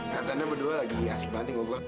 katanya berdua lagi asik banget nih ngobrol